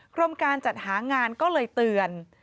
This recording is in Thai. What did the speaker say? กรมการจัดหางานก็เลยเตือน